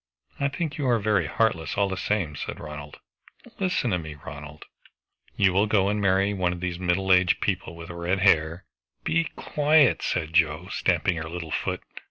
"I think you are very heartless, all the same," said Ronald. "Listen to me, Ronald" "You will go and marry one of these middle aged people with red hair" "Be quiet," said Joe, stamping her little foot.